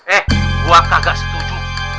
eh gua kagak setuju